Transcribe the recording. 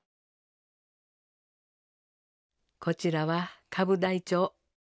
こちらは株台帳。